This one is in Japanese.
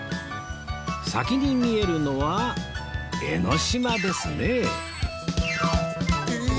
先に見えるのは江の島ですね